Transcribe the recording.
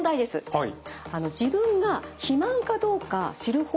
はい。